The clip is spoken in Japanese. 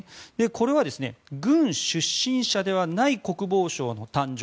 これは軍出身者ではない国防相の誕生。